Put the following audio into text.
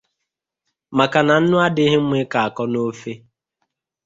maka na nnú adịghị mma ịkọ akọ n'ofe.